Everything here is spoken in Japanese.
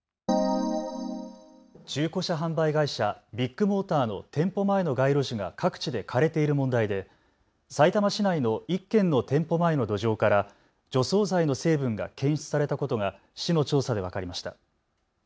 中古車販売会社、ビッグモーターの店舗前の街路樹が各地で枯れている問題でさいたま市内の１件の店舗前の土壌から除草剤の成分が検出されたことが市の調査で分かりました。